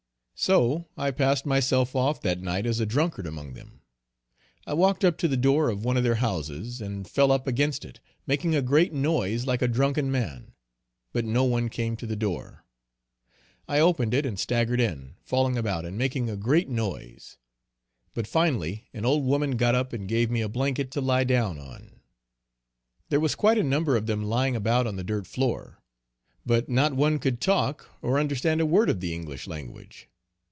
So I passed myself off that night as a drunkard among them. I walked up to the door of one of their houses, and fell up against it, making a great noise like a drunken man; but no one came to the door. I opened it and staggered in, falling about, and making a great noise. But finally an old woman got up and gave me a blanket to lie down on. There was quite a number of them lying about on the dirt floor, but not one could talk or understand a word of the English language.